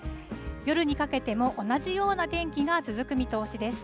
夜にかけても、同じような天気が続く見通しです。